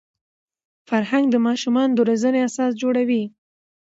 فرهنګ د ماشومانو د روزني اساس جوړوي.